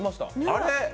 あれ？